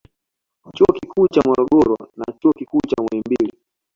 Chuo Kikuu cha Morogoro na Chuo Kikuu cha Muhimbili